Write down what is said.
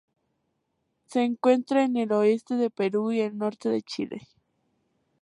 Se encuentra en el oeste de Perú y el norte de Chile.